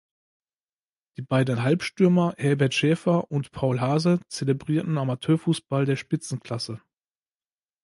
Die beiden Halbstürmer Herbert Schäfer und "Paul Haase" zelebrierten Amateurfußball der Spitzenklasse.